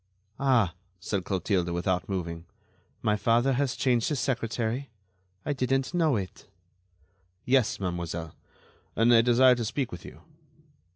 "Ah!" said Clotilde, without moving, "my father has changed his secretary? I didn't know it." "Yes, mademoiselle, and I desire to speak with you."